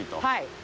はい。